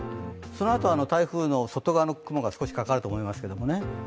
そのあと、台風の外側の雲が少しかかると思います。